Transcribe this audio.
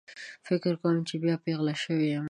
فکر کوم چې بیا پیغله شوې یم